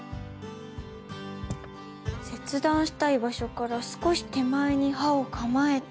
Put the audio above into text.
切断したい場所から少し手前に刃を構えて。